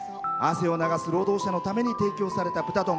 汗を流す労働者のために提供された豚丼。